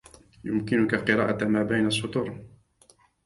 يمكنك قراءة ما بين السطور.